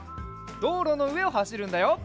どうろのうえをはしるんだよ。